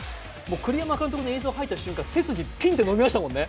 栗山監督の映像入った瞬間、背筋伸びましたもんね。